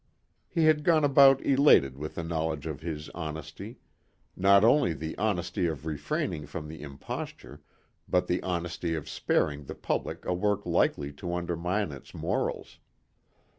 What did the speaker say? He had gone about elated with the knowledge of his honesty not only the honesty of refraining from the imposture but the honesty of sparing the public a work likely to undermine its morals.